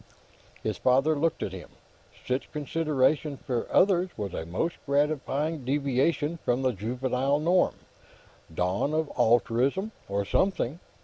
His father looked at him. Such consideration for others was a most gratifying deviation from the juvenile norm; dawn of altruism, or something.